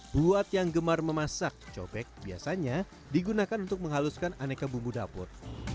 buat yang gemar memasak cobek biasanya digunakan untuk menghaluskan aneka bumbu dapur